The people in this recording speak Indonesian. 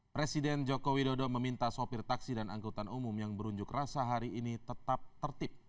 presiden joko widodo meminta sopir taksi dan angkutan umum yang berunjuk rasa hari ini tetap tertib